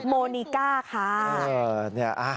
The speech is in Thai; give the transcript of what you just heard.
โมนีก้าค่ะ